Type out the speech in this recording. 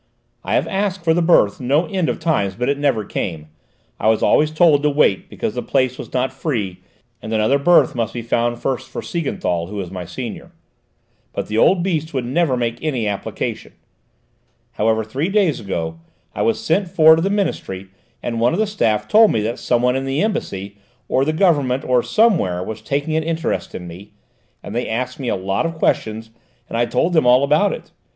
"I have asked for the berth no end of times, but it never came; I was always told to wait because the place was not free, and another berth must be found first for Siegenthal, who was my senior. But the old beast would never make any application. However, three days ago, I was sent for to the Ministry, and one of the staff told me that some one in the Embassy, or the Government, or somewhere, was taking an interest in me, and they asked me a lot of questions and I told them all about it.